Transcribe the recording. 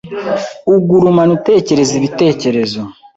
ugurumana utekereza ibitekerezo